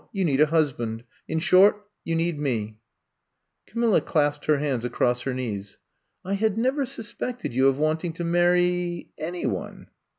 You need a husband. In short, you need mel'* Camilla clasped her hands a<5ross her knees. '*I had never suspected you of wanting to marry — any one.